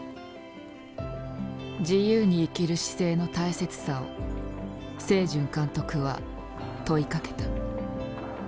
自由に生きる姿勢の大切さを清順監督は問いかけた。